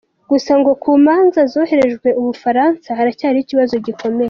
Gusa ngo ku manza zohererejwe u Bufaransa haracyarimo ikibazo gikomeye.